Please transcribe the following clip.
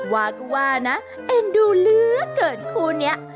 ว่าก็ว่านะเอ็นดูเหลือเกินคู่นี้